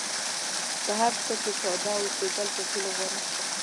په هر څه کې ساده اوسېدل تر ټولو غوره دي.